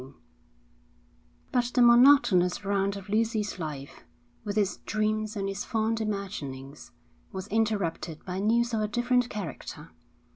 IX But the monotonous round of Lucy's life, with its dreams and its fond imaginings, was interrupted by news of a different character.